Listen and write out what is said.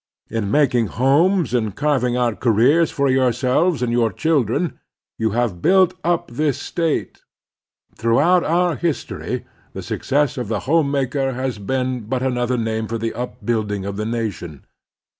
In making homes and carving out careers for yourselves and yotu: chil dren, you have built up this State. Throughout our history the success of the home maker has 266 The Strenuous Life been but another name for the upbuilding of the nation.